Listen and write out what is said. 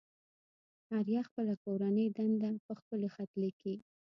آريا خپله کورنۍ دنده په ښکلي خط ليكي.